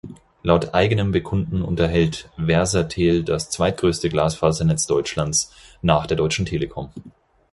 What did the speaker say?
Laut eigenem Bekunden unterhält Versatel das zweitgrößte Glasfasernetz Deutschlands nach der Deutschen Telekom.